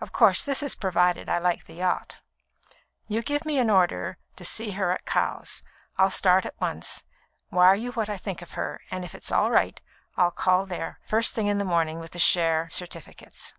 Of course, this is provided I like the yacht. You give me an order to see her at Cowes. I'll start at once, wire you what I think of her, and, if it's all right, I'll call here first thing in the morning with the share certificates."